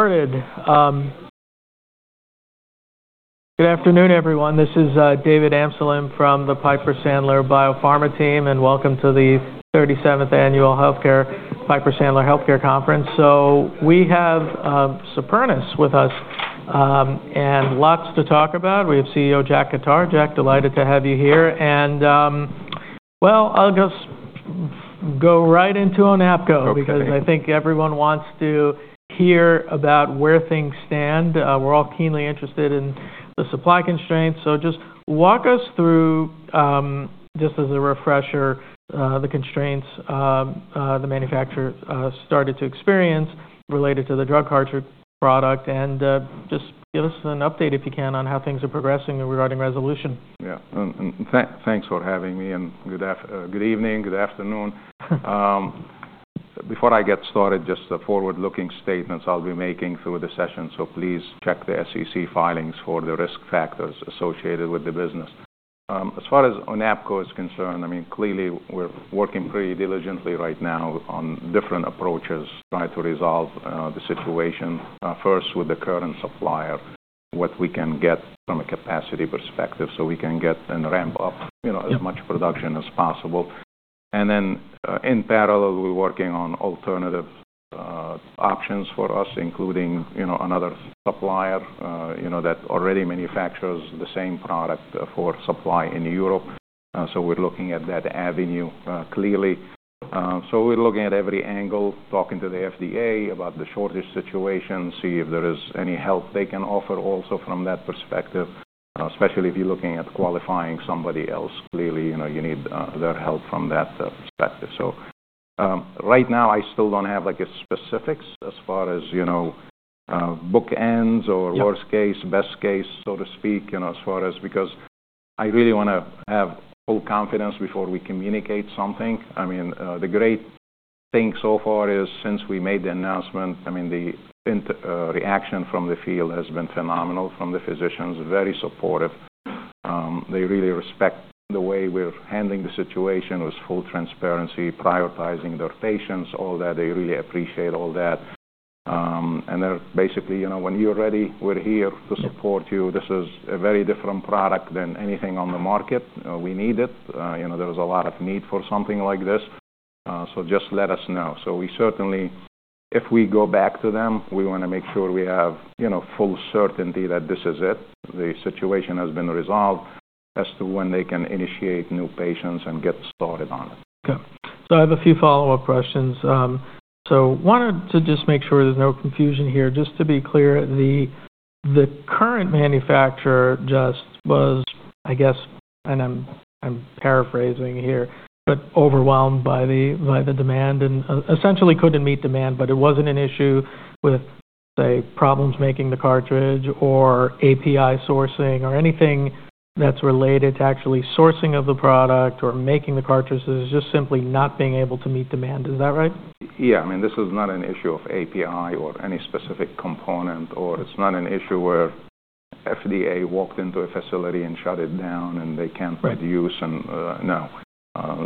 Good afternoon, everyone. This is David Anselin from the Piper Sandler Biopharma team, and welcome to the 37th Annual Piper Sandler Healthcare Conference. So we have Supernus with us and lots to talk about. We have CEO Jack Khattar. Jack, delighted to have you here. And, well, I'll just go right into ONAPGO because I think everyone wants to hear about where things stand. We're all keenly interested in the supply constraints. So just walk us through, just as a refresher, the constraints the manufacturer started to experience related to the drug hardship product, and just give us an update if you can on how things are progressing regarding resolution. Yeah. Thanks for having me, and good evening, good afternoon. Before I get started, just the forward-looking statements I'll be making through the session, so please check the SEC filings for the risk factors associated with the business. As far as ONAPGO is concerned, I mean, clearly we're working pretty diligently right now on different approaches trying to resolve the situation, first with the current supplier, what we can get from a capacity perspective so we can get and ramp up as much production as possible. And then in parallel, we're working on alternative options for us, including another supplier that already manufactures the same product for supply in Europe. So we're looking at that avenue clearly. So we're looking at every angle, talking to the FDA about the shortage situation, see if there is any help they can offer also from that perspective, especially if you're looking at qualifying somebody else. Clearly, you need their help from that perspective. So right now, I still don't have specifics as far as bookends or worst case, best case, so to speak, as far as because I really want to have full confidence before we communicate something. I mean, the great thing so far is since we made the announcement, I mean, the reaction from the field has been phenomenal from the physicians, very supportive. They really respect the way we're handling the situation with full transparency, prioritizing their patients, all that. They really appreciate all that. And they're basically, "When you're ready, we're here to support you. This is a very different product than anything on the market. We need it. There was a lot of need for something like this. So just let us know. So we certainly, if we go back to them, we want to make sure we have full certainty that this is it. The situation has been resolved as to when they can initiate new patients and get started on it. Okay. So I have a few follow-up questions. So wanted to just make sure there's no confusion here. Just to be clear, the current manufacturer just was, I guess, and I'm paraphrasing here, but overwhelmed by the demand and essentially couldn't meet demand, but it wasn't an issue with, say, problems making the cartridge or API sourcing or anything that's related to actually sourcing of the product or making the cartridges, just simply not being able to meet demand. Is that right? Yeah. I mean, this is not an issue of API or any specific component, or it's not an issue where FDA walked into a facility and shut it down and they can't produce. No.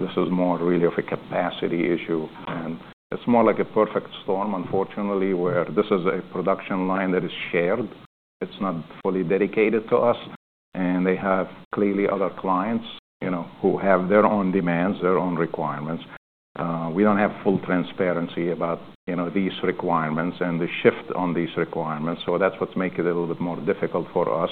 This is more really of a capacity issue. And it's more like a perfect storm, unfortunately, where this is a production line that is shared. It's not fully dedicated to us, and they have clearly other clients who have their own demands, their own requirements. We don't have full transparency about these requirements and the shift on these requirements. So that's what's making it a little bit more difficult for us.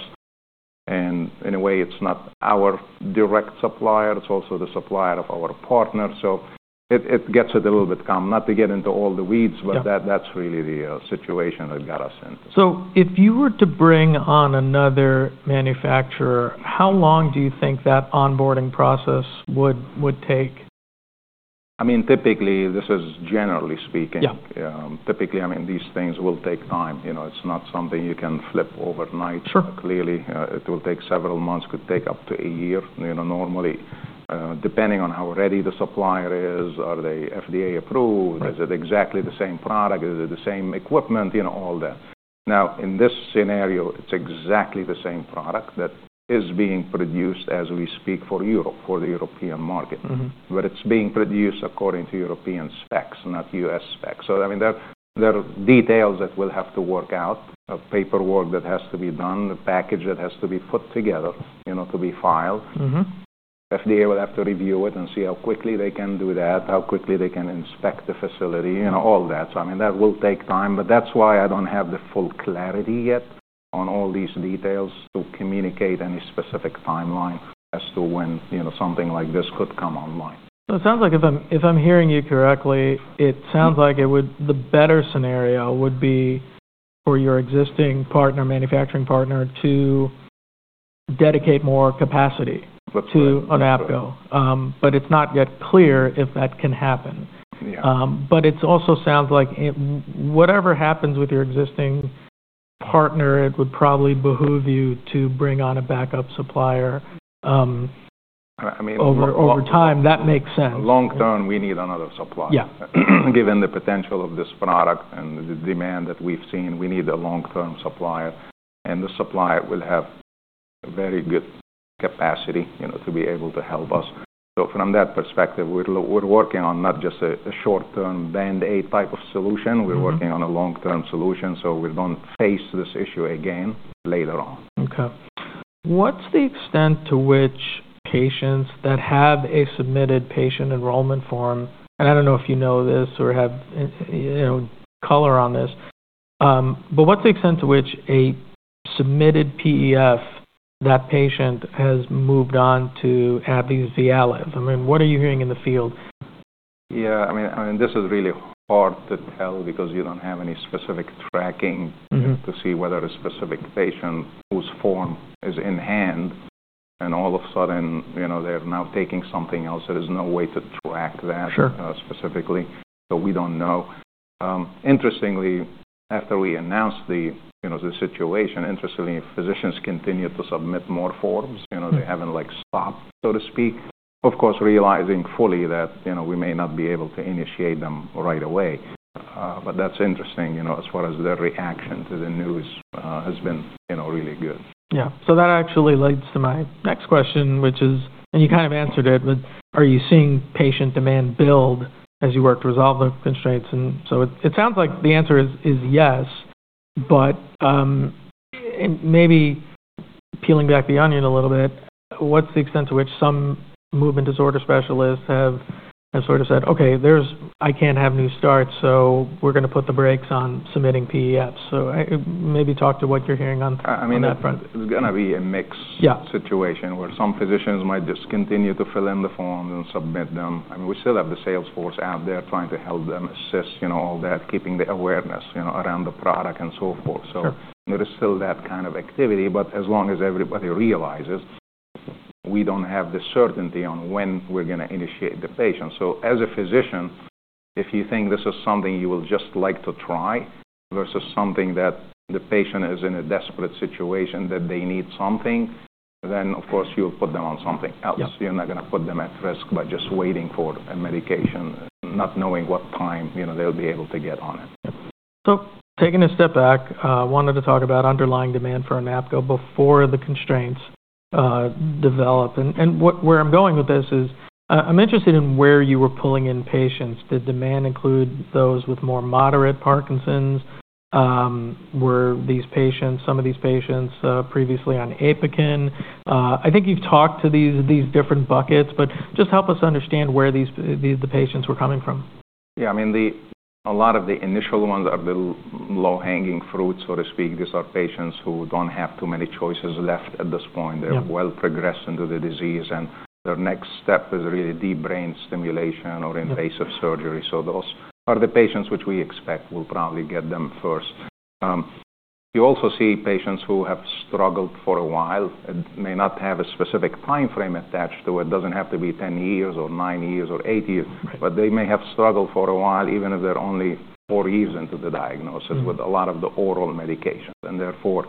And in a way, it's not our direct supplier. It's also the supplier of our partner. So it gets it a little bit complex, not to get into all the weeds, but that's really the situation that got us into. If you were to bring on another manufacturer, how long do you think that onboarding process would take? I mean, typically, this is generally speaking. Typically, I mean, these things will take time. It's not something you can flip overnight. Clearly, it will take several months. It could take up to a year, normally, depending on how ready the supplier is. Are they FDA approved? Is it exactly the same product? Is it the same equipment? All that. Now, in this scenario, it's exactly the same product that is being produced as we speak for Europe, for the European market, but it's being produced according to European specs, not U.S. specs. So I mean, there are details that we'll have to work out, paperwork that has to be done, the package that has to be put together to be filed. FDA will have to review it and see how quickly they can do that, how quickly they can inspect the facility, all that. So I mean, that will take time. But that's why I don't have the full clarity yet on all these details to communicate any specific timeline as to when something like this could come online. So it sounds like if I'm hearing you correctly, it sounds like the better scenario would be for your existing manufacturing partner to dedicate more capacity to ONAPGO. But it's not yet clear if that can happen. But it also sounds like whatever happens with your existing partner, it would probably behoove you to bring on a backup supplier. I mean. Over time, that makes sense. Long-term, we need another supplier. Given the potential of this product and the demand that we've seen, we need a long-term supplier, and the supplier will have very good capacity to be able to help us, so from that perspective, we're working on not just a short-term Band-Aid type of solution. We're working on a long-term solution so we don't face this issue again later on. Okay. What's the extent to which patients that have a submitted patient enrollment form, and I don't know if you know this or have color on this, but what's the extent to which a submitted PEF, that patient has moved on to AbbVie, VYALEV? I mean, what are you hearing in the field? Yeah. I mean, this is really hard to tell because you don't have any specific tracking to see whether a specific patient whose form is in hand, and all of a sudden, they're now taking something else. There is no way to track that specifically. So we don't know. Interestingly, after we announced the situation, interestingly, physicians continue to submit more forms. They haven't stopped, so to speak, of course, realizing fully that we may not be able to initiate them right away. But that's interesting as far as their reaction to the news has been really good. Yeah. So that actually leads to my next question, which is, and you kind of answered it, but are you seeing patient demand build as you work to resolve the constraints? And so it sounds like the answer is yes, but maybe peeling back the onion a little bit, what's the extent to which some movement disorder specialists have sort of said, "Okay, I can't have new starts, so we're going to put the brakes on submitting PEFs"? So maybe talk to what you're hearing on that front. I mean, it's going to be a mixed situation where some physicians might just continue to fill in the forms and submit them. I mean, we still have the sales force out there trying to help them assess all that, keeping the awareness around the product and so forth. So there is still that kind of activity. But as long as everybody realizes, we don't have the certainty on when we're going to initiate the patient. So as a physician, if you think this is something you will just like to try versus something that the patient is in a desperate situation that they need something, then of course, you'll put them on something else. You're not going to put them at risk by just waiting for a medication, not knowing what time they'll be able to get on it. So taking a step back, I wanted to talk about underlying demand for ONAPGO before the constraints develop. And where I'm going with this is I'm interested in where you were pulling in patients. Did demand include those with more moderate Parkinson's? Were some of these patients previously on APOKYN? I think you've talked to these different buckets, but just help us understand where the patients were coming from. Yeah. I mean, a lot of the initial ones are the low-hanging fruit, so to speak. These are patients who don't have too many choices left at this point. They're well progressed into the disease, and their next step is really deep brain stimulation or invasive surgery. So those are the patients which we expect will probably get them first. You also see patients who have struggled for a while. It may not have a specific time frame attached to it. It doesn't have to be 10 years or nine years or eight years, but they may have struggled for a while, even if they're only four years into the diagnosis with a lot of the oral medications. And therefore,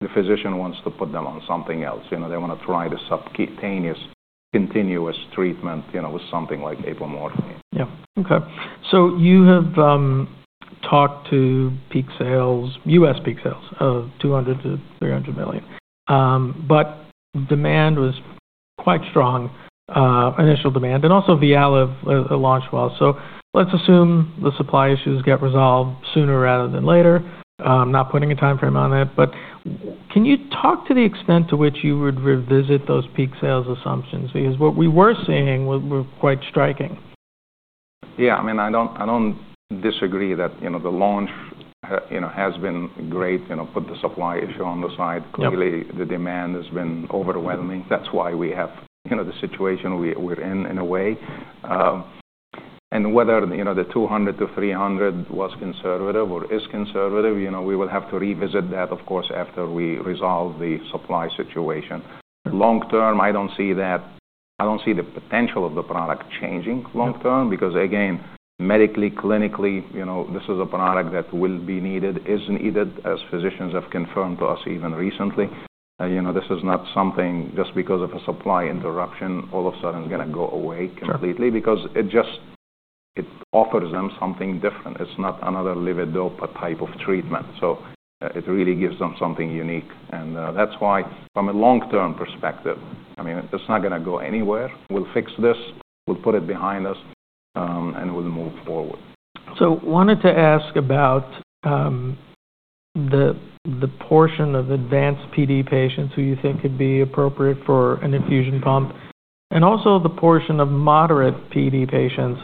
the physician wants to put them on something else. They want to try the subcutaneous continuous treatment with something like apomorphine. Yeah. Okay. So you have talked to US peak sales, $200 million-$300 million, but demand was quite strong, initial demand, and also VYALEV launched well. So let's assume the supply issues get resolved sooner rather than later. I'm not putting a time frame on it, but can you talk to the extent to which you would revisit those peak sales assumptions? Because what we were seeing was quite striking. Yeah. I mean, I don't disagree that the launch has been great. Put the supply issue on the side. Clearly, the demand has been overwhelming. That's why we have the situation we're in, in a way. And whether the $200 million-$300 million was conservative or is conservative, we will have to revisit that, of course, after we resolve the supply situation. Long term, I don't see that. I don't see the potential of the product changing long term because, again, medically, clinically, this is a product that will be needed, is needed, as physicians have confirmed to us even recently. This is not something just because of a supply interruption, all of a sudden, it's going to go away completely because it just offers them something different. It's not another Levodopa type of treatment. So it really gives them something unique. That's why, from a long-term perspective, I mean, it's not going to go anywhere. We'll fix this. We'll put it behind us, and we'll move forward. So wanted to ask about the portion of advanced PD patients who you think could be appropriate for an infusion pump and also the portion of moderate PD patients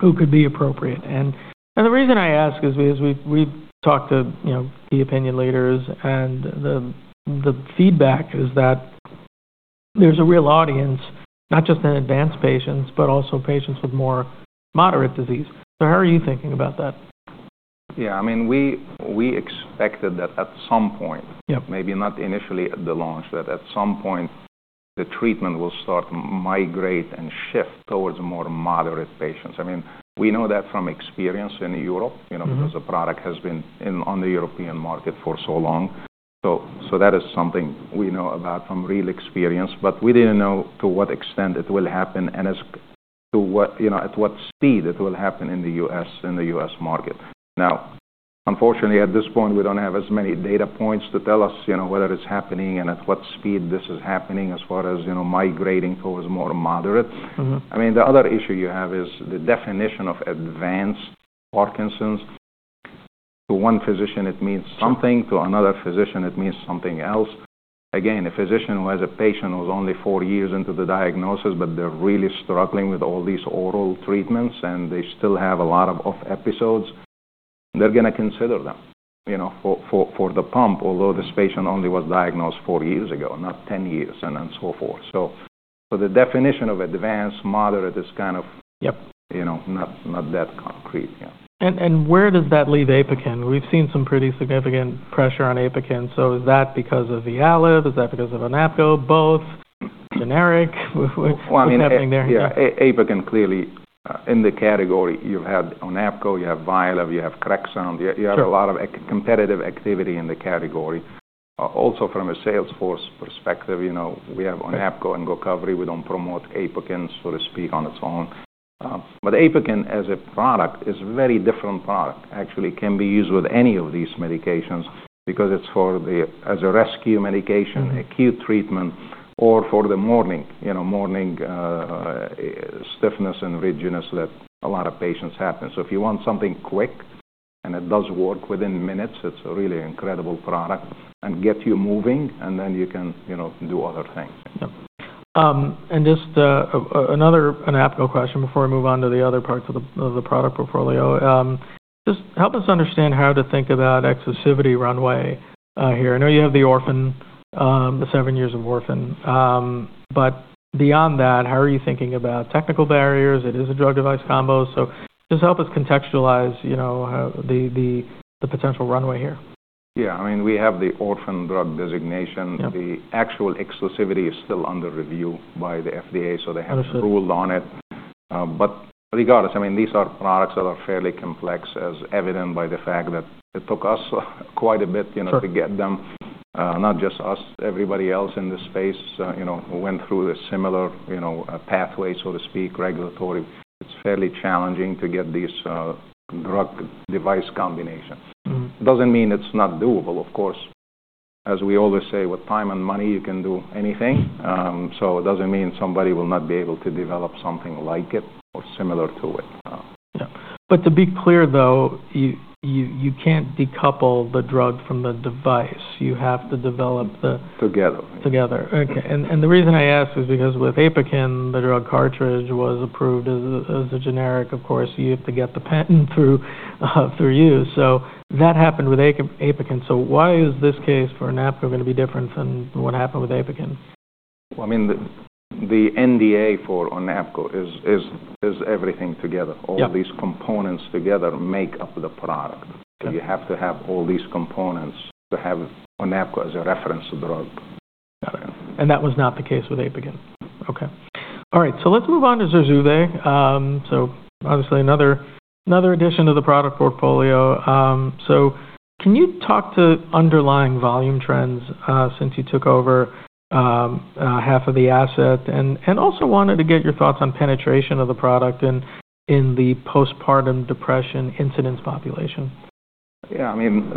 who could be appropriate. And the reason I ask is because we've talked to key opinion leaders, and the feedback is that there's a real audience, not just in advanced patients, but also patients with more moderate disease. So how are you thinking about that? Yeah. I mean, we expected that at some point, maybe not initially at the launch, that at some point, the treatment will start to migrate and shift towards more moderate patients. I mean, we know that from experience in Europe because the product has been on the European market for so long. So that is something we know about from real experience. But we didn't know to what extent it will happen and at what speed it will happen in the US market. Now, unfortunately, at this point, we don't have as many data points to tell us whether it's happening and at what speed this is happening as far as migrating towards more moderate. I mean, the other issue you have is the definition of advanced Parkinson's. To one physician, it means something. To another physician, it means something else. Again, a physician who has a patient who's only four years into the diagnosis, but they're really struggling with all these oral treatments, and they still have a lot of episodes, they're going to consider them for the pump, although this patient only was diagnosed four years ago, not 10 years, and so forth. So the definition of advanced, moderate is kind of not that concrete. Yeah. And where does that leave APOKYN? We've seen some pretty significant pressure on APOKYN. So is that because of VYALEV? Is that because of ONAPGO? Both? Generic? What's happening there? Well, I mean, APOKYN, clearly, in the category, you've had ONAPGO. You have VYALEV. You have Crexont. You have a lot of competitive activity in the category. Also, from a sales force perspective, we have ONAPGO and GOCOVRI. We don't promote APOKYN, so to speak, on its own. But APOKYN, as a product, is a very different product. Actually, it can be used with any of these medications because it's for the rescue medication, acute treatment, or for the morning stiffness and rigidness that a lot of patients have. So if you want something quick and it does work within minutes, it's a really incredible product and gets you moving, and then you can do other things. Yeah. And just another ONAPGO question before we move on to the other parts of the product portfolio. Just help us understand how to think about exclusivity runway here. I know you have the orphan, the seven years of orphan, but beyond that, how are you thinking about technical barriers? It is a drug-device combo. So just help us contextualize the potential runway here. Yeah. I mean, we have the orphan drug designation. The actual exclusivity is still under review by the FDA, so they haven't ruled on it. But regardless, I mean, these are products that are fairly complex, as evident by the fact that it took us quite a bit to get them. Not just us. Everybody else in this space who went through a similar pathway, so to speak, regulatory, it's fairly challenging to get these drug-device combinations. Doesn't mean it's not doable, of course. As we always say, with time and money, you can do anything. So it doesn't mean somebody will not be able to develop something like it or similar to it. Yeah. But to be clear, though, you can't decouple the drug from the device. You have to develop the. Together. Okay. And the reason I asked was because with APOKYN, the drug cartridge was approved as a generic. Of course, you have to get the patent through you. So that happened with APOKYN. So why is this case for ONAPGO going to be different than what happened with APOKYN? Well, I mean, the NDA for ONAPGO is everything together. All these components together make up the product. You have to have all these components to have ONAPGO as a reference drug. Got it. And that was not the case with APOKYN. Okay. All right. So let's move on to ZURZUVAE. So obviously, another addition to the product portfolio. So can you talk to underlying volume trends since you took over half of the asset? And also wanted to get your thoughts on penetration of the product in the postpartum depression incidence population. Yeah. I mean,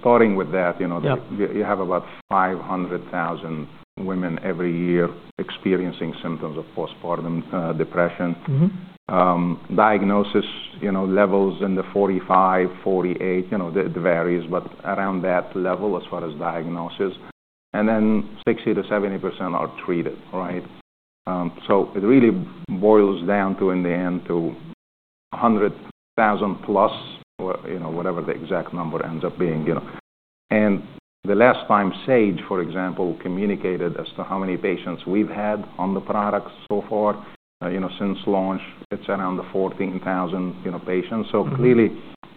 starting with that, you have about 500,000 women every year experiencing symptoms of postpartum depression. Diagnosis levels in the 45%-48%, it varies, but around that level as far as diagnosis. And then 60%-70% are treated, right? So it really boils down to, in the end, to 100,000+, whatever the exact number ends up being. And the last time Sage, for example, communicated as to how many patients we've had on the product so far since launch, it's around the 14,000 patients. So clearly,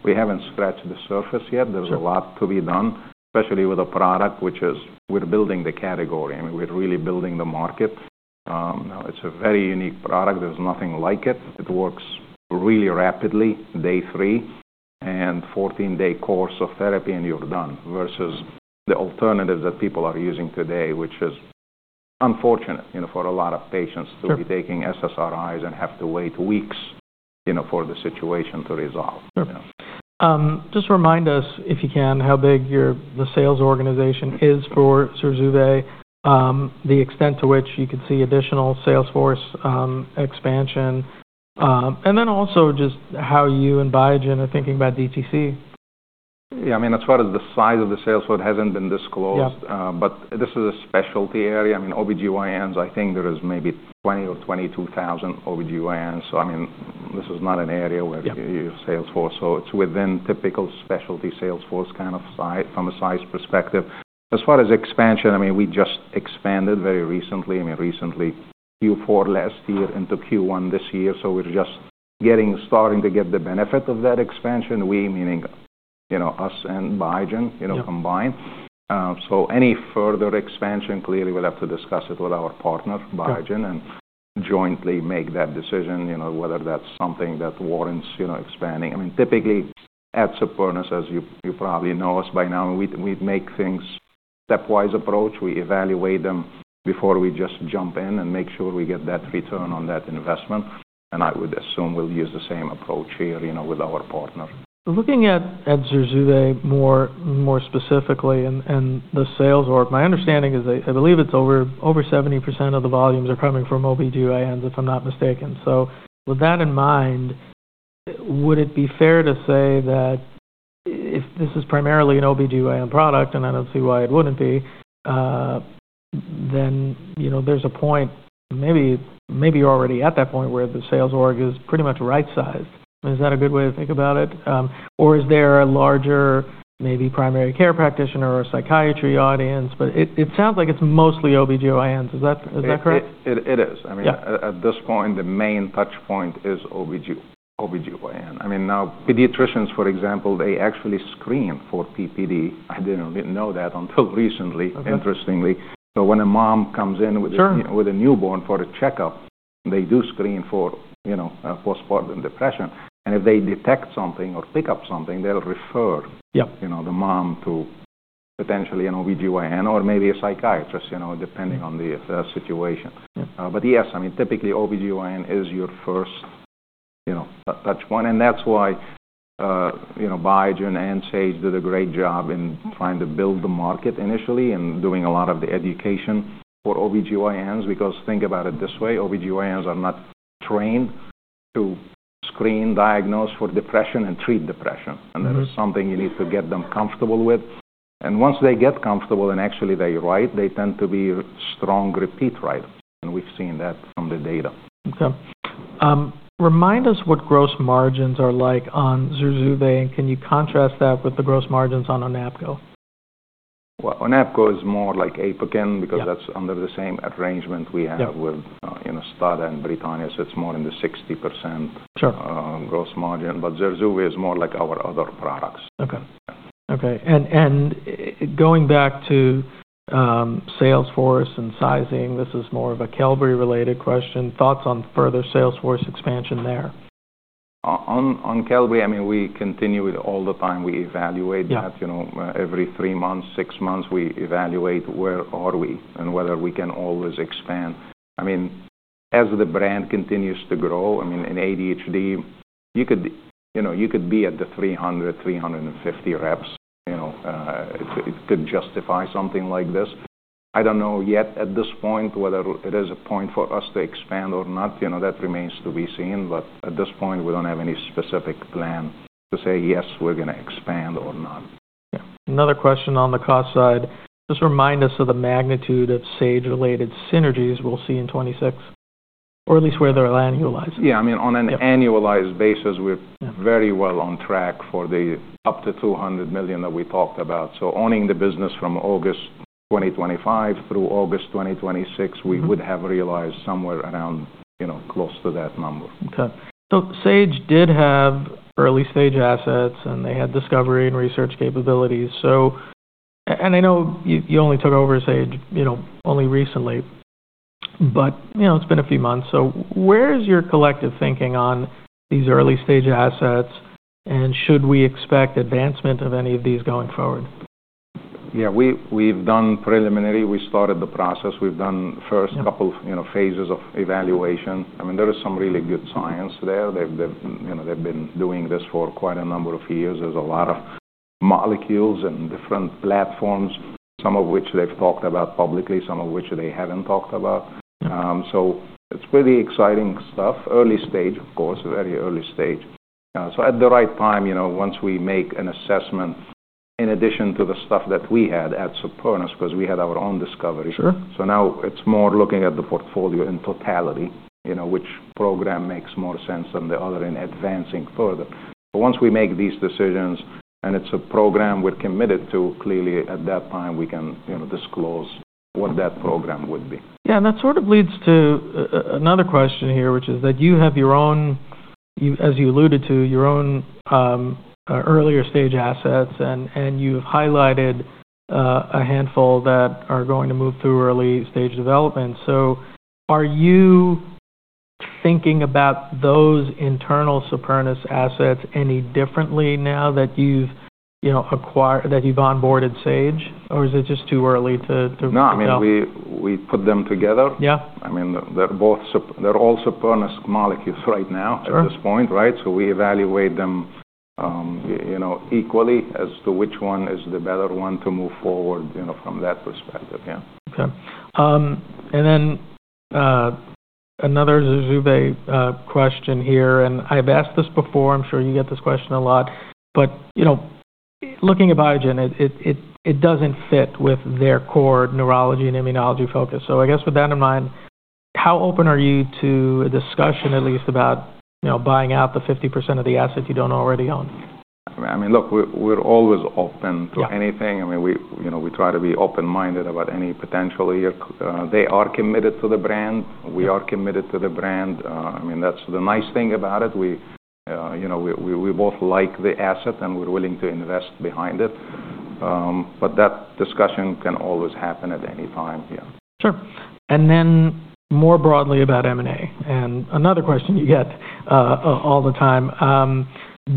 we haven't scratched the surface yet. There's a lot to be done, especially with a product which is we're building the category. I mean, we're really building the market. Now, it's a very unique product. There's nothing like it. It works really rapidly, day three, and 14-day course of therapy, and you're done versus the alternative that people are using today, which is unfortunate for a lot of patients to be taking SSRIs and have to wait weeks for the situation to resolve. Sure. Just remind us, if you can, how big the sales organization is for ZURZUVAE, the extent to which you could see additional sales force expansion, and then also just how you and Biogen are thinking about DTC? Yeah. I mean, as far as the size of the sales force, it hasn't been disclosed, but this is a specialty area. I mean, OB-GYNs, I think there is maybe 20 or 22,000 OB-GYNs. So I mean, this is not an area where you have sales force. So it's within typical specialty sales force kind of from a size perspective. As far as expansion, I mean, we just expanded very recently. I mean, recently, Q4 last year into Q1 this year. So we're just starting to get the benefit of that expansion. We, meaning us and Biogen combined. So any further expansion, clearly, we'll have to discuss it with our partner, Biogen, and jointly make that decision, whether that's something that warrants expanding. I mean, typically, at Supernus, as you probably know us by now, we make things stepwise approach. We evaluate them before we just jump in and make sure we get that return on that investment, and I would assume we'll use the same approach here with our partner. Looking at ZURZUVAE more specifically and the sales or my understanding is I believe it's over 70% of the volumes are coming from OB-GYNs, if I'm not mistaken. So with that in mind, would it be fair to say that if this is primarily an OB-GYN product, and I don't see why it wouldn't be, then there's a point maybe you're already at that point where the sales org is pretty much right-sized? I mean, is that a good way to think about it? Or is there a larger, maybe primary care practitioner or psychiatry audience? But it sounds like it's mostly OB-GYNs. Is that correct? It is. I mean, at this point, the main touchpoint is OB-GYN. I mean, now, pediatricians, for example, they actually screen for PPD. I didn't know that until recently, interestingly. So when a mom comes in with a newborn for a checkup, they do screen for postpartum depression. And if they detect something or pick up something, they'll refer the mom to potentially an OB-GYN or maybe a psychiatrist, depending on the situation. But yes, I mean, typically, OB-GYN is your first touchpoint. And that's why Biogen and Sage did a great job in trying to build the market initially and doing a lot of the education for OB-GYNs because think about it this way. OB-GYNs are not trained to screen, diagnose for depression and treat depression. And that is something you need to get them comfortable with. Once they get comfortable and actually they write, they tend to be strong repeat writers. We've seen that from the data. Okay. Remind us what gross margins are like on ZURZUVAE, and can you contrast that with the gross margins on ONAPGO? ONAPGO is more like APOKYN because that's under the same arrangement we have with STADA and Britannia. So it's more in the 60% gross margin. But ZURZUVAE is more like our other products. Okay. And going back to sales force and sizing, this is more of a Qelbree-related question. Thoughts on further sales force expansion there? On Qelbree, I mean, we continue with all the time. We evaluate that. Every three months, six months, we evaluate where are we and whether we can always expand. I mean, as the brand continues to grow, I mean, in ADHD, you could be at the 300, 350 reps. It could justify something like this. I don't know yet at this point whether it is a point for us to expand or not. That remains to be seen. But at this point, we don't have any specific plan to say, "Yes, we're going to expand or not. Yeah. Another question on the cost side. Just remind us of the magnitude of Sage-related synergies we'll see in 2026, or at least where they're annualized? Yeah. I mean, on an annualized basis, we're very well on track for up to $200 million that we talked about. So owning the business from August 2025 through August 2026, we would have realized somewhere around close to that number. Okay. So Sage did have early-stage assets, and they had discovery and research capabilities. And I know you only took over Sage only recently, but it's been a few months. So where is your collective thinking on these early-stage assets, and should we expect advancement of any of these going forward? Yeah. We've done preliminary. We started the process. We've done the first couple of phases of evaluation. I mean, there is some really good science there. They've been doing this for quite a number of years. There's a lot of molecules and different platforms, some of which they've talked about publicly, some of which they haven't talked about. So it's pretty exciting stuff. Early stage, of course, very early stage. So at the right time, once we make an assessment in addition to the stuff that we had at Supernus, because we had our own discovery. So now it's more looking at the portfolio in totality, which program makes more sense than the other in advancing further. But once we make these decisions and it's a program we're committed to, clearly, at that time, we can disclose what that program would be. Yeah. That sort of leads to another question here, which is that you have, as you alluded to, your own earlier-stage assets, and you've highlighted a handful that are going to move through early-stage development. So are you thinking about those internal Supernus assets any differently now that you've onboarded Sage, or is it just too early to? No. I mean, we put them together. I mean, they're all Supernus molecules right now at this point, right? So we evaluate them equally as to which one is the better one to move forward from that perspective. Yeah. Okay. And then another ZURZUVAE question here. And I've asked this before. I'm sure you get this question a lot. But looking at Biogen, it doesn't fit with their core neurology and immunology focus. So I guess with that in mind, how open are you to a discussion, at least, about buying out the 50% of the assets you don't already own? I mean, look, we're always open to anything. I mean, we try to be open-minded about any potential here. They are committed to the brand. We are committed to the brand. I mean, that's the nice thing about it. We both like the asset, and we're willing to invest behind it. But that discussion can always happen at any time. Yeah. Sure, and then more broadly about M&A and another question you get all the time.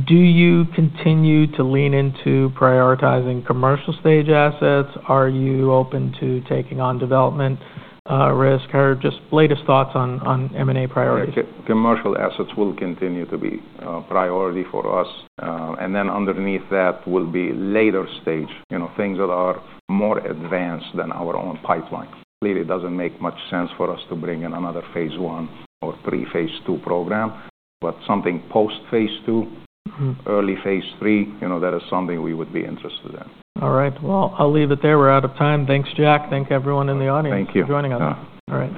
Do you continue to lean into prioritizing commercial-stage assets? Are you open to taking on development risk? Or just latest thoughts on M&A priorities? Commercial assets will continue to be a priority for us. And then underneath that will be later-stage things that are more advanced than our own pipeline. Clearly, it doesn't make much sense for us to bring in another phase I or pre-phase II program. But something post-phase II, early-phase III, that is something we would be interested in. All right. Well, I'll leave it there. We're out of time. Thanks, Jack. Thanks, everyone in the audience for joining us. Thank you. All right.